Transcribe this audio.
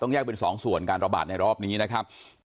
แยกเป็น๒ส่วนการระบาดในรอบนี้นะครับ